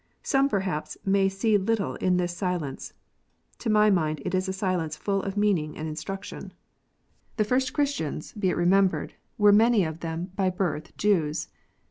Some, perhaps, may see little in this silence. To my mind it is a silence full of meaning and instruction. BAPTISM. 99 The first Christians, be it remembered, were many of them by birth Jews.